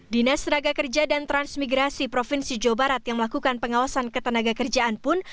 dinas tenaga kerja dan transmigrasi provinsi jawa barat yang melakukan pengawasan ketenaga kerjaan pun